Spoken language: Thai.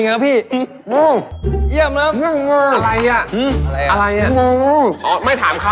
เราเป็นนางเอก